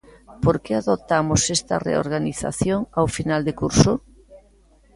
¿Por que adoptamos esta reorganización ao final de curso?